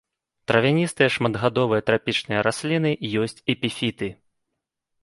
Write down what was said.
Травяністыя шматгадовыя трапічныя расліны, ёсць эпіфіты.